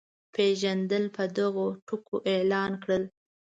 پېژندل په دغو ټکو اعلان کړل.